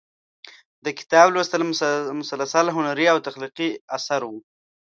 د کتاب لوست مسلسل هنري او تخلیقي اثر و.